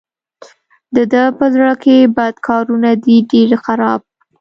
د ده په زړه کې بد کارونه دي ډېر خراب.